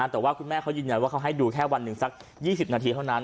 แต่ว่าคุณแม่เขายืนยันว่าเขาให้ดูแค่วันหนึ่งสัก๒๐นาทีเท่านั้น